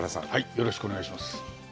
よろしくお願いします。